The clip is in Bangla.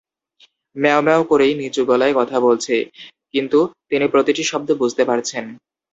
ম্যাও ম্যাও করেই নিচু গলায় কথা বলছে, কিন্তু তিনি প্রতিটি শব্দ বুঝতে পারছেন।